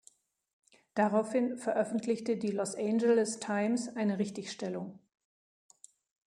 Daraufhin veröffentlichte die Los Angeles Times eine Richtigstellung.